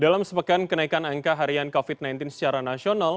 dalam sepekan kenaikan angka harian covid sembilan belas secara nasional